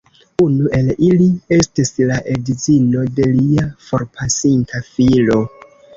Unu el ili estis la edzino de lia forpasinta filo.